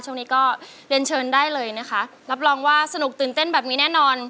ช่วงนี้ก็เรียนเชิญได้เลยนะคะรับรองว่าสนุกตื่นเต้นแบบนี้แน่นอน